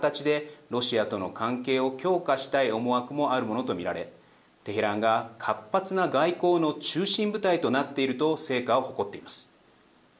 今回、イラン政府としてはそれに対抗する形でロシアとの関係を強化したい思惑もあるものと見られテヘランが活発な外交の中心舞台となっていると成果を誇っています。